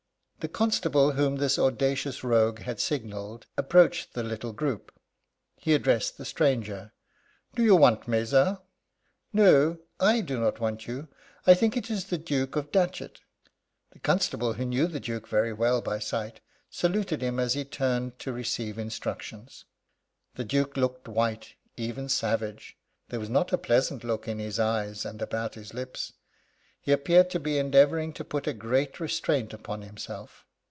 The constable whom this audacious rogue had signalled approached the little group. He addressed the stranger: "Do you want me, sir?" "No, I do not want you. I think it is the Duke of Datchet." The constable, who knew the Duke very well by sight, saluted him as he turned to receive instructions. The Duke looked white, even savage. There was not a pleasant look in his eyes and about his lips. He appeared to be endeavouring to put a great restraint upon himself.